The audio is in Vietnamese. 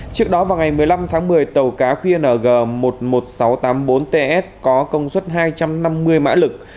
trước đó vào ngày một mươi năm tháng một mươi tàu cá qng một mươi một nghìn sáu trăm tám mươi bốn ts có công suất hai trăm năm mươi mã lực